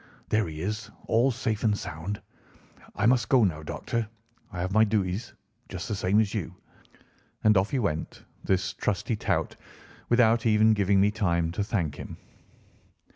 There he is, all safe and sound. I must go now, Doctor; I have my dooties, just the same as you." And off he went, this trusty tout, without even giving me time to thank him.